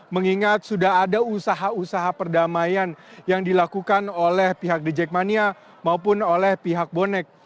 mengingat sudah ada usaha usaha perdamaian yang dilakukan oleh pihak the jackmania maupun oleh pihak bonek